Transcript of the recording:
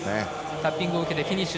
タッピングを受けてフィニッシュ。